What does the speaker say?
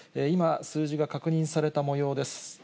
今、数字が確認されたもようです。